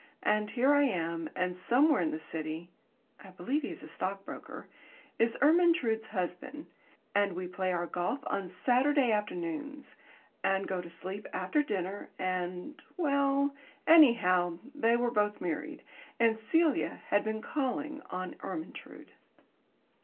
and here am I, and somewhere in the City (I believe he is a stockbroker) is Ermyntrude's husband, and we play our golf on Saturday afternoons, and go to sleep after dinner, and Well, anyhow, they were both married, and Celia had been calling on Ermyntrude.